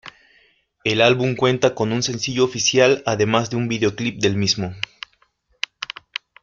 El álbum cuenta con un sencillo oficial además de un Videoclip del mismo.